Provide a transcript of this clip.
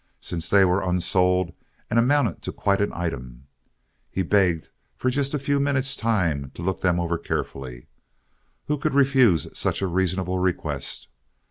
Since they were unsold, and amounted to quite an item, he begged for just a few minutes' time to look them over carefully. Who could refuse such a reasonable request?